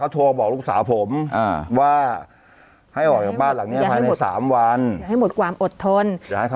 จะให้หมดความอดทน